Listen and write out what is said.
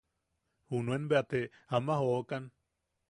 Junuen bea te ama jokan.